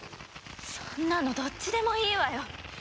そんなのどっちでもいいわよ。